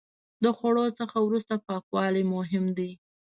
د خوړو څخه وروسته پاکوالی مهم دی.